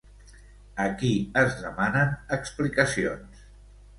A qui es demanen explicacions?